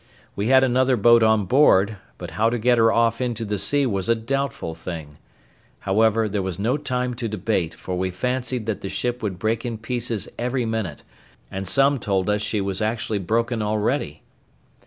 We had another boat on board, but how to get her off into the sea was a doubtful thing. However, there was no time to debate, for we fancied that the ship would break in pieces every minute, and some told us she was actually broken already.